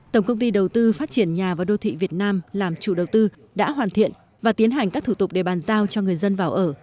tổng công ty đầu tư phát triển nhà và đô thị việt nam làm chủ đầu tư đã hoàn thiện và tiến hành các thủ tục để bàn giao cho người dân vào ở